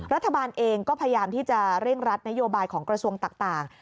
รัฐบาลเองก็พยายามที่จะเร่งรัดนโยบายของกระทรวงต่าง